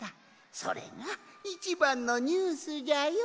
それがいちばんのニュースじゃよ！